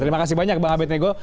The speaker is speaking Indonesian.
terima kasih banyak bang abed nego